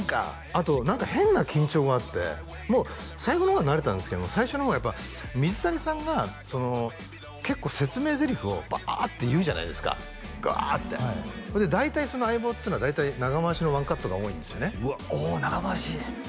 あと何か変な緊張があってもう最後の方は慣れたんですけど最初の方はやっぱ水谷さんが結構説明ゼリフをバーッて言うじゃないですかガーッて大体「相棒」っていうのは大体長回しのワンカットが多いんですよねお長回し